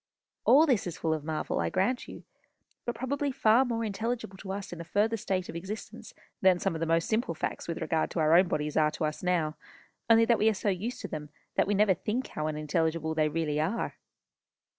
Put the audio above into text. All this is full of marvel, I grant you; but probably far more intelligible to us in a further state of existence than some of the most simple facts with regard to our own bodies are to us now, only that we are so used to them that we never think how unintelligible they really are."